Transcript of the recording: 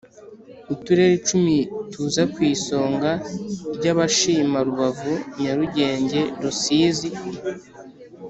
Uturere icumi tuza ku isonga ry abashima rubavu nyarugenge rusizi